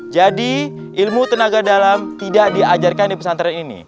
jadi ilmu tenaga dalam tidak diajarkan di pesantren ini